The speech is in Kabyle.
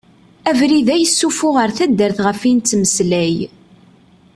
Abrid-a yessufuɣ ar taddart ɣef i nettmeslay.